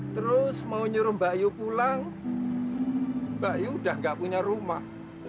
terus mau nyuruh mbak ayu pulang mbak ayu udah gak punya rumah